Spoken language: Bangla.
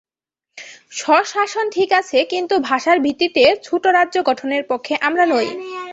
স্বশাসন ঠিক আছে, কিন্তু ভাষার ভিত্তিতে ছোট রাজ্য গঠনের পক্ষে আমরা নই।